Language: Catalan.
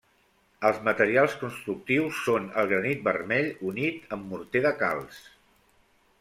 Els materials constructius són el granit vermell unit amb morter de calç.